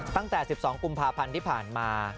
ตั้งแต่๑๒กุมภาพันธ์ที่ผ่านมา